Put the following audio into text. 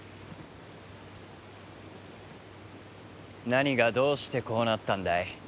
何がどうしてこうなったんだい？